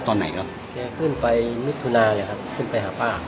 ที่